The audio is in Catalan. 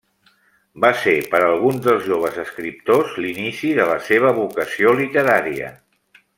Va ser per alguns dels joves escriptors l'inici de la seva vocació literària.